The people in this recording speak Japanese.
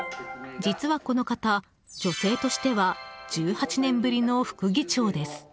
実はこの方、女性としては１８年ぶりの副議長です。